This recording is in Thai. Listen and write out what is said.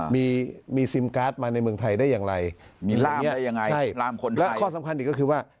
มีมีซิมการ์ดมาในเมืองไทยได้อย่างไรมีอะไรยังไงใช่และข้อสำคัญอีกก็คือว่า